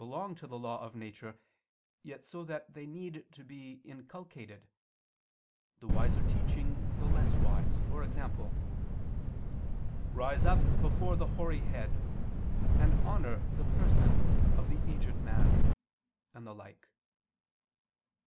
Such belong to the law of nature, yet so that they need to be inculcated, the wiser teaching the less wise: e.g. "Rise up before the hoary head, and honor the person of the aged man," and the like.